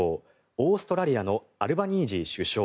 オーストラリアのアルバニージー首相